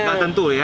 nggak tentu ya